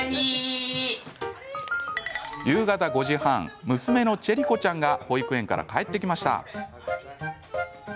夕方５時半娘のチェリ子ちゃんが保育園から帰ってきました。